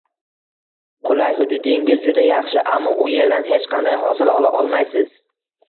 Qulay hududingiz juda yaxshi, ammo u yerdan hech qanday hosil ola olmaysiz